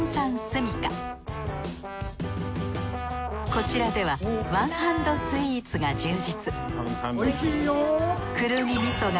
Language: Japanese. こちらではワンハンドスイーツが充実おいしいよ！